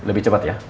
lebih cepat ya